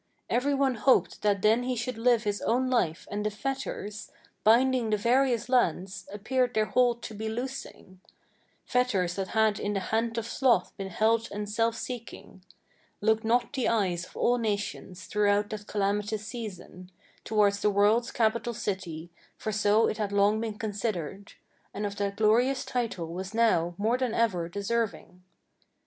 Every one hoped that then he should live his own life, and the fetters, Binding the various lands, appeared their hold to be loosing, Fetters that had in the hand of sloth been held and self seeking. Looked not the eyes of all nations, throughout that calamitous season, Towards the world's capital city, for so it had long been considered, And of that glorious title was now, more than ever, deserving?